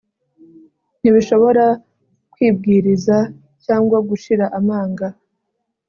Ntibishobora kwibwiriza cyangwa gushira amanga